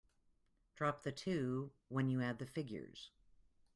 Drop the two when you add the figures.